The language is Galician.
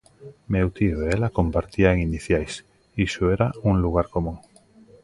Meu tío e ela compartían iniciais, iso era un lugar común.